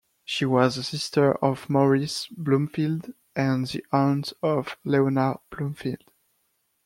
She was the sister of Maurice Bloomfield and the aunt of Leonard Bloomfield.